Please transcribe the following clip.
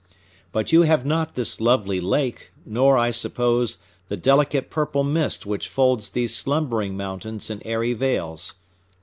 But you have not this lovely lake, nor, I suppose, the delicate purple mist which folds these slumbering mountains in airy veils.